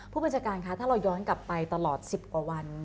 ผู้บัญชาการคะถ้าเราย้อนกลับไปตลอด๑๐กว่าวัน